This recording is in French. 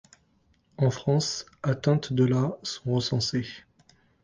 En France, atteintes de la sont recensées.